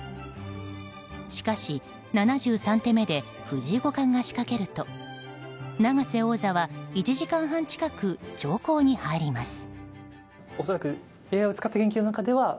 しかし、７３手目で藤井五冠が仕掛けると永瀬王座は１時間半近く長考に入ります。